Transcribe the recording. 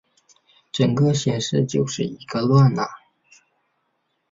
整个显示就是一个乱啊